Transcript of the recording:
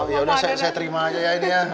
ya udah saya terima aja ya ini ya